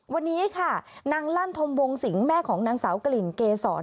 วันนี้ค่ะนางลั่นธมวงสิงแม่ของนางสาวกลิ่นเกษร